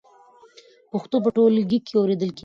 پښتو په ټولګي کې اورېدل کېږي.